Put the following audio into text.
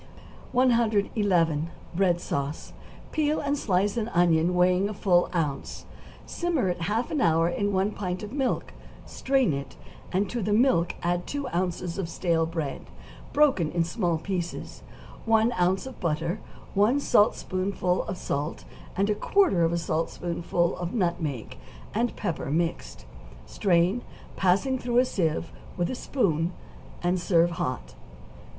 111. =Bread Sauce.= Peel and slice an onion weighing full an ounce, simmer it half an hour in one pint of milk, strain it, and to the milk add two ounces of stale bread, broken in small pieces, one ounce of butter, one saltspoonful of salt, and quarter of a saltspoonful of nutmeg and pepper mixed; strain, passing through a sieve with a spoon, and serve hot.